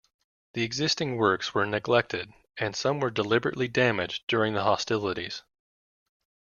The existing works were neglected, and some were deliberately damaged during the hostilities.